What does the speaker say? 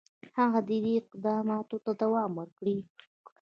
هغه دي اقداماتو ته دوام ورکړي.